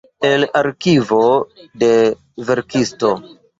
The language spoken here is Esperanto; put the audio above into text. El arkivo de verkisto.